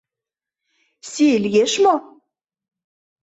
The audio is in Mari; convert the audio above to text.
Сий лиеш мо?